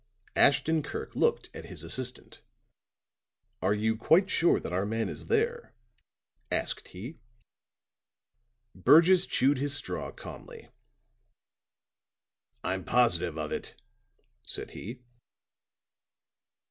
Ashton Kirk looked at his assistant. "Are you quite sure that our man is there," asked he. Burgess chewed his straw calmly. "I'm positive of it," said he.